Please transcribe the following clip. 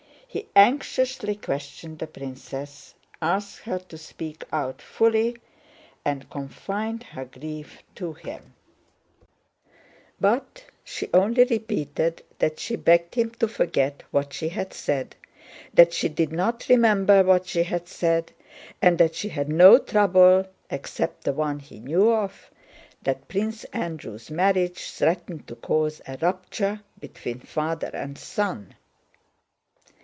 He anxiously questioned the princess, asked her to speak out fully and confide her grief to him; but she only repeated that she begged him to forget what she had said, that she did not remember what she had said, and that she had no trouble except the one he knew of—that Prince Andrew's marriage threatened to cause a rupture between father and son.